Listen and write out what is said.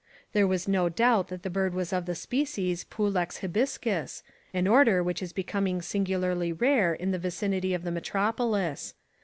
There was no doubt that the bird was of the species pulex hibiscus, an order which is becoming singularly rare in the vicinity of the metropolis.